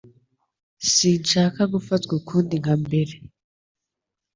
Sinshaka gufatwa ukundi nka mbere.